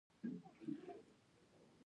تهران یو ډیر لوی ښار دی.